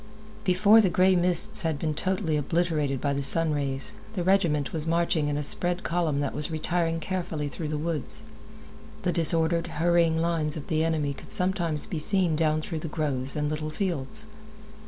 Before the gray mists had been totally obliterated by the sun rays, the regiment was marching in a spread column that was retiring carefully through the woods. The disordered, hurrying lines of the enemy could sometimes be seen down through the groves and little fields.